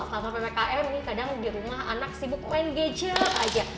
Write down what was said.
selama ppkm ini kadang di rumah anak sibuk main gadget aja